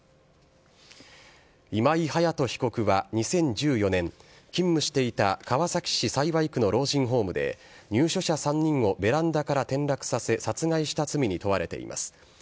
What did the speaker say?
今井隼人被告は２０１４年、勤務していた川崎市幸区の老人ホームで、入所者３人をベランダから転落させ、殺害した罪に問われています。